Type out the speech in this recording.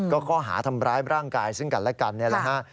ก็ข้อหาทำร้ายร่างกายซึ่งกันและกันนี่แหละฮะ